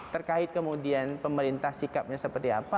terkait kemudian pemerintah sikapnya seperti apa